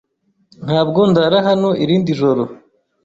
Ntabwo ndara hano irindi joro.